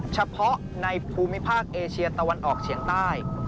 เฉพาะในภูมิภาคเอเชียตะวันออกเฉียงใต้